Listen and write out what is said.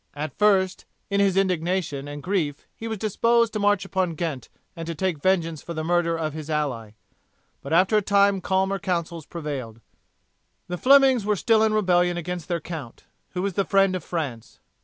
At first, in his indignation and grief, he was disposed to march upon Ghent and to take vengeance for the murder of his ally, but after a time calmer counsels prevailed. The Flemings were still in rebellion against their count, who was the friend of France.